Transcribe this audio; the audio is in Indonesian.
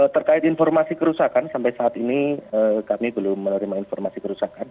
terkait informasi kerusakan sampai saat ini kami belum menerima informasi kerusakan